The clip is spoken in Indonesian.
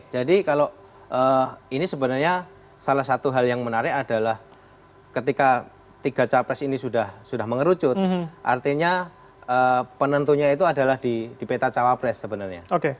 jadi kalau ini sebenarnya salah satu hal yang menarik adalah ketika tiga cawapres ini sudah mengerucut artinya penentunya itu adalah di peta cawapres sebenarnya